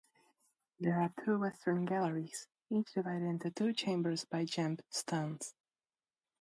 There are two western galleries each divided into two chambers by jamb stones.